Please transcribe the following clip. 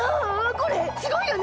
これすごいよね？